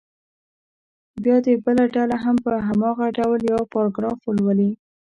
بیا دې بله ډله هم په هماغه ډول یو پاراګراف ولولي.